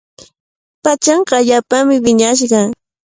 Pachanqa allaapami wiñashqa.